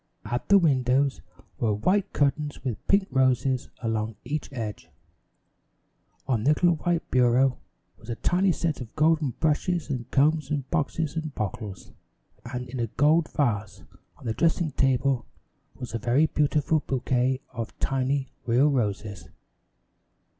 At the windows were white curtains with pink roses along each edge. On the little white bureau was a tiny set of golden brushes and combs and boxes and bottles, and in a gold vase on the dressing table was a very beautiful bouquet of tiny real roses.